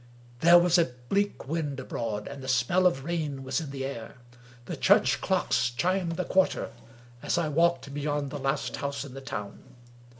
There was a bleak wind abroad, and the smell of rain was in the air. The church clocks chimed the quarter as I walked beyond the last house in the town.